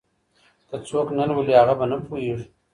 که څوک نه لولي هغه به نه پوهېږي.